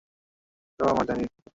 সে কার নিকট গেছে তাও আমি জানি।